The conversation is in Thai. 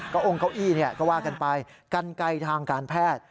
องเก้าอี้ก็ว่ากันไปกันไกลทางการแพทย์